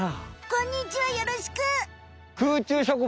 こんにちはよろしく！